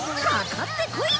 かかってこい！